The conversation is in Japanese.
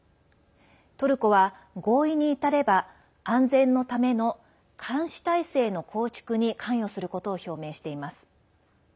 トルコは合意に至れば安全のための監視態勢の構築に関与することを表明しています。